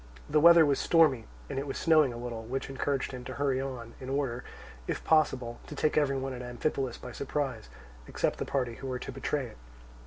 The weather was stormy and it was snowing a little, which encouraged him to hurry on, in order, if possible, to take every one at Amphipolis by surprise, except the party who were to betray it.